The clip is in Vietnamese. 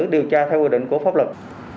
điều tra theo quy định của pháp luật